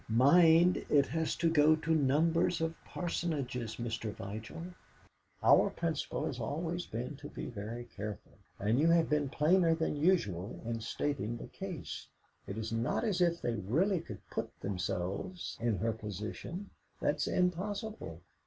Mind, it has to go to numbers of parsonages, Mr. Vigil. Our principle has always been to be very careful. And you have been plainer than usual in stating the case. It's not as if they really could put themselves in her position; that's impossible.